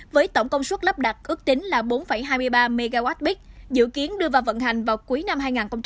với tổng công suất lắp đặt ước tính là bốn hai mươi ba mwp dự kiến đưa vào vận hành vào cuối năm hai nghìn hai mươi